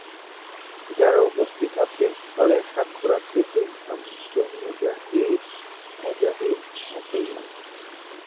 যারা উপস্থিত আছে তাদের সাক্ষ্য রাখছি যে, আমি একজন মুহাজির মুজাহিদ মুসলমান।